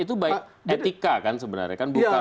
itu baik etika kan sebenarnya